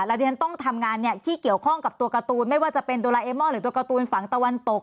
แล้วที่ฉันต้องทำงานที่เกี่ยวข้องกับตัวการ์ตูนไม่ว่าจะเป็นโดราเอมอนหรือตัวการ์ตูนฝั่งตะวันตก